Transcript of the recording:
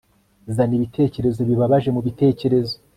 Zana ibitekerezo bibabaje mubitekerezo